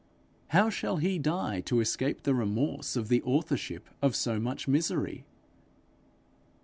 How shall he die to escape the remorse of the authorship of so much misery?